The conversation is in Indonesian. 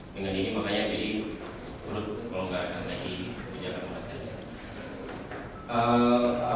mengenai ini makanya bi perlu melonggarkan lagi kebijakan moneter